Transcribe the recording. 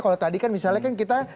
kalau tadi kan misalnya kan kita